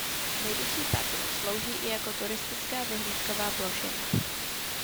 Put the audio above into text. Nejvyšší patro slouží i jako turistická vyhlídková plošina.